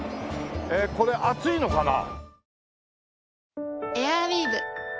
これ熱いのかな？